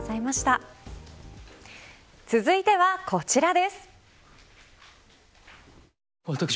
続いてはこちらです。